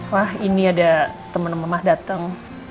wah ini ada temen temen emah dateng